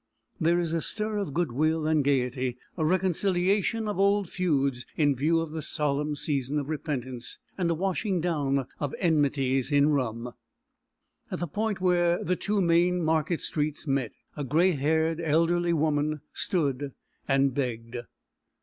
There is a stir of goodwill and gaiety, a reconciliation of old feuds in view of the solemn season of repentance, and a washing down of enmities in rum. At the point where the two main market streets met, a grey haired elderly woman stood and begged.